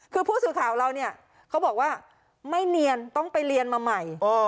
คือผู้สื่อข่าวเราเนี่ยเขาบอกว่าไม่เนียนต้องไปเรียนมาใหม่